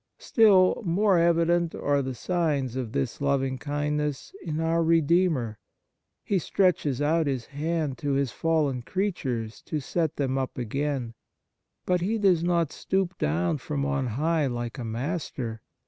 Still more evident are the signs of this loving kindness in our Redeemer. He stretches out His hand to His fallen creatures to set them up again, but The Nature of Piety He does not stoop down from on high like a Master.